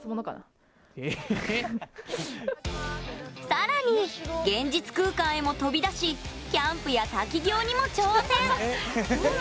さらに、現実空間へも飛び出しキャンプや滝行にも挑戦。